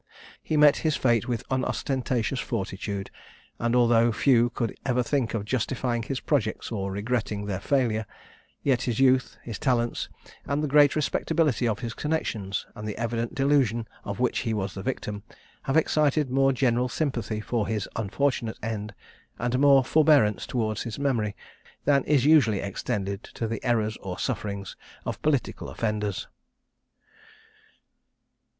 He met his fate with unostentatious fortitude; and although few could ever think of justifying his projects or regretting their failure, yet his youth, his talents, and the great respectability of his connexions, and the evident delusion of which he was the victim, have excited more general sympathy for his unfortunate end, and more forbearance towards his memory, than is usually extended to the errors or sufferings of political offenders.